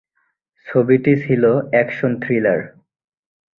ছবিটি ছিল action thriller.